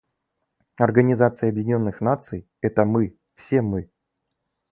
Организация Объединенных Наций — это мы, все мы.